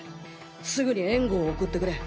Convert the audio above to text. すぐに援護を送ってくれ。